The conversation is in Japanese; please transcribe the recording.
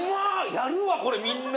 やるわこれみんな。